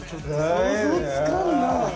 想像つかんな。